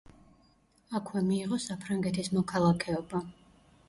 აქვე მიიღო საფრანგეთის მოქალაქეობა.